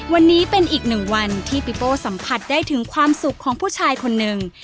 วันนี้เป็นอีกหนึ่งวันที่ปิโป้สัมผัสได้ถึงความสุขของผู้ชายคนหนึ่ง